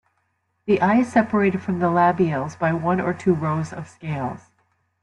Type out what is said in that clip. The eye is separated from the labials by one or two rows of scales.